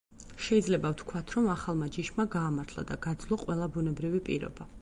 შეიძლება ვთქვათ, რომ ახალმა ჯიშმა გაამართლა და გაძლო ყველა ბუნებრივი პირობა.